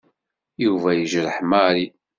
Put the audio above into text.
Yuba yejreḥ Mary.